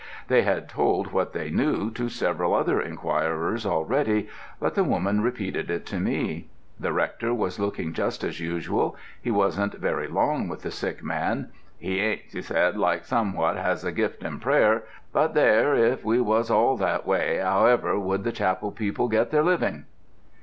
They had told what they knew to several other inquirers already, but the woman repeated it to me. The Rector was looking just as usual: he wasn't very long with the sick man "He ain't," she said, "like some what has a gift in prayer; but there, if we was all that way, 'owever would the chapel people get their living?"